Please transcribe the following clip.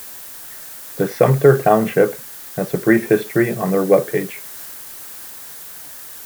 The Sumpter Township has a brief history on their web page.